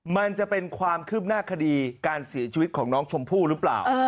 มันจะเป็นความคืบหน้าคดีการเสียชีวิตของน้องชมพู่หรือเปล่า